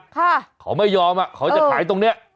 ค่ะเขาไม่ยอมอ่ะเขาจะขายตรงเนี้ย